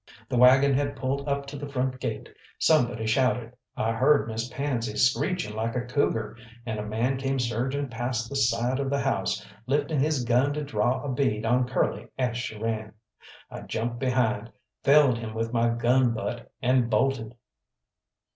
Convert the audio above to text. The waggon had pulled up to the front gate, somebody shouted, I heard Miss Pansy screeching like a cougar, and a man came surging past the side of the house, lifting his gun to draw a bead on Curly as she ran. I jumped behind, felled him with my gun butt, and bolted.